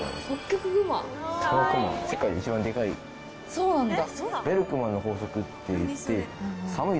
そうなんだ。